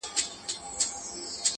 توجه او التفات پر دې دلالت کوي.